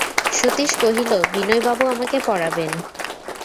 সতীশ কহিল, বিনয়বাবু আমাকে পড়াবেন।